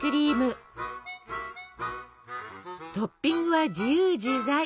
トッピングは自由自在！